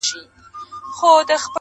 • ورپسې مي اورېدلې له پوهانو -